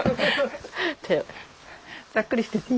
ざっくりしてていい。